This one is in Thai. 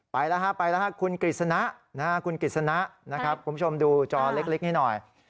ไปละค่ะคุณกริษณะคุณคุณผู้ชมดูจอเล็กนี้หน่อย